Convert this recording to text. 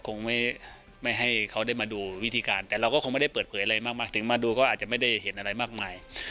คงไม่ให้เขาได้มาดูวิธีการแต่เราก็คงไม่ได้เปิดเผยอะไรมากถึงมาดูก็อาจจะไม่ได้เห็นอะไรมากมาย